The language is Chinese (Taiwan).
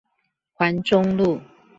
環中路